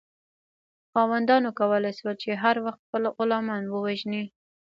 خاوندانو کولی شول چې هر وخت خپل غلامان ووژني.